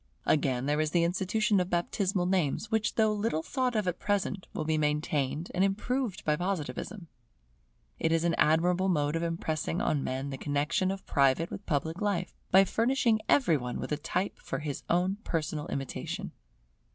Again there is the institution of baptismal names, which though little thought of at present, will be maintained and improved by Positivism. It is an admirable mode of impressing on men the connexion of private with public life, by furnishing every one with a type for his own personal imitation.